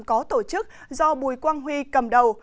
có tổ chức do bùi quang huy cầm đầu